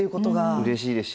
うれしいですし